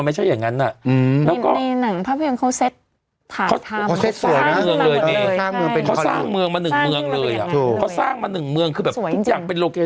เอออย่างงั้นเลยเขาสร้างเมืองอย่างงั้นเลย